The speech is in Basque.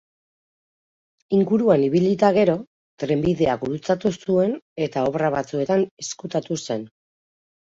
Inguruan ibili eta gero, trenbidea gurutzatu zuen eta obra batzuetan ezkutatu zen.